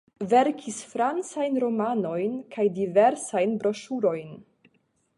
Verkis francajn romanojn kaj diversajn broŝurojn.